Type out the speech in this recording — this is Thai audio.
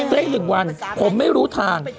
ได้หนึ่งวันผมไม่รู้ทาง